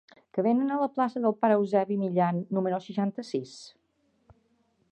Què venen a la plaça del Pare Eusebi Millan número seixanta-sis?